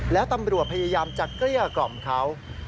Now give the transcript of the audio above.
แล้วตำรวจพยายามจะเกลี้ยกล่อมเขา